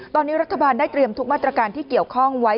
ตอนนี้รัฐบาลได้เตรียมทุกมาตรการที่เกี่ยวข้องไว้